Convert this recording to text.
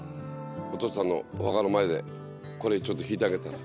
お父さんのお墓の前でこれちょっと弾いてあげたら。